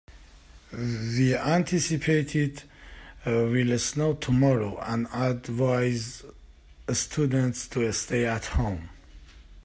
We anticipate it will snow tomorrow and advise students to stay at home.